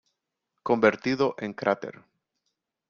Convertido en cráter.